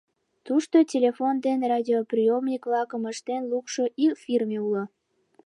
Тушто телефон ден радиоприёмник-влакым ыштен лукшо ик фирме уло.